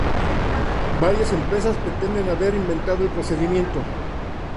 Varias empresas pretenden haber inventado el procedimiento.